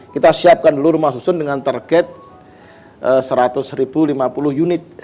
kita siapkan dulu rumah susun dengan target seratus lima puluh unit